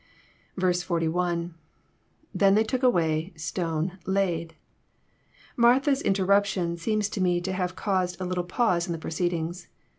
41.— [TT^n they took aiDay...8tone..,laid,'] Martha's interruption seems to me to have caused a little pause in the proceedings.